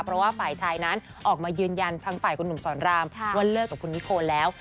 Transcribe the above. เพราะว่าฝ่ายชายนั้นออกมายืนยันทางฝ่ายคุณหนุ่มสอนรามว่าเลิกกับคุณนิโคแล้ว